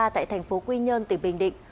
tại thành phố quy nhơn tỉnh bình định